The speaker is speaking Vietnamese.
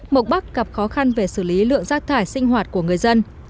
mộc bắc gặp khó khăn về xử lý lượng rác thải sinh hoạt của người dân